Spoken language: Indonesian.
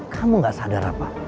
kamu gak sadar apa